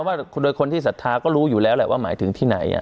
ว่าโดยคนที่ศรัทธาก็รู้อยู่แล้วแหละว่าหมายถึงที่ไหน